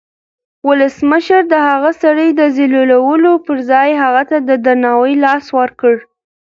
ولسمشر د هغه سړي د ذلیلولو پر ځای هغه ته د درناوي لاس ورکړ.